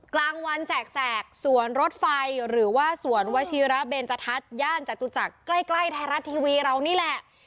กลางวันแสกสวนรถไฟหรือว่าสวนวชิระเบนจทัศน์ย่านจตุจักรใกล้ไทยรัฐทีวีเรานี่แหละ